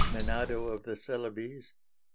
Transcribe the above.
Menado of the Celebes. 6.